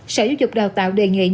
sở giáo dục đào tạo tp hcm quy định